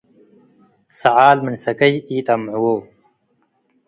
ሰዓል ምን ሰከይ ኢጠምዕዎ።